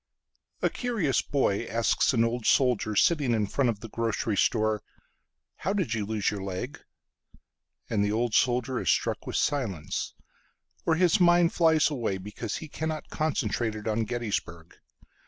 A curious boy asks an old soldierSitting in front of the grocery store,"How did you lose your leg?"And the old soldier is struck with silence, Or his mind flies awayBecause he cannot concentrate it on Gettysburg.